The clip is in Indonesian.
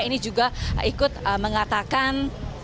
ini juga ikut mengatakan